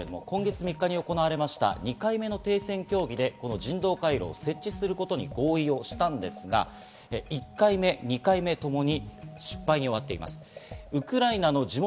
今月３日に行われた２回目の停戦協議で人道回廊を設置することに合意したんですが、１回目、２回目ともに失敗に終わっています。